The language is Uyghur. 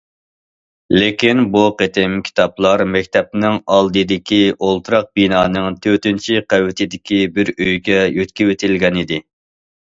لېكىن بۇ قېتىم كىتابلار مەكتەپنىڭ ئالدىدىكى ئولتۇراق بىنانىڭ تۆتىنچى قەۋىتىدىكى بىر ئۆيگە يۆتكىۋېتىلگەنىدى.